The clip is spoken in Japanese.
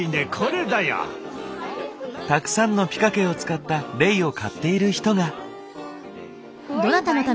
たくさんのピカケを使ったレイを買っている人が。